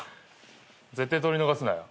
絶対撮り逃すなよ。